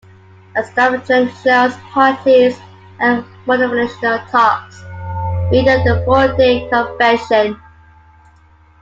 Extravagant shows, parties and motivational talks made up the four-day convention.